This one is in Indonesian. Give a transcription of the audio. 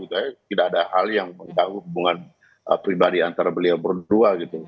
tidak ada hal yang menentang hubungan pribadi antara beliau berdua